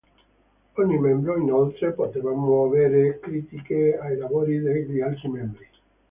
Ogni membro, inoltre, poteva muovere critiche ai lavori degli altri membri.